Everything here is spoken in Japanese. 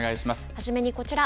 初めにこちら。